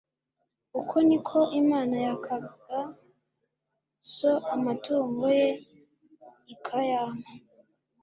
Uko ni ko Imana yakaga so amatungo ye ikayampa